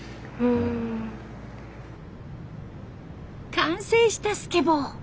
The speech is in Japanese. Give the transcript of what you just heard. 完成したスケボー。